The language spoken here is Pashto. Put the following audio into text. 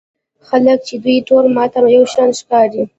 ځکه چې دوی ټول ماته یوشان ښکاري.